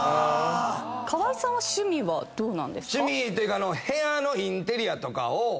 河井さんは趣味はどうなんですか？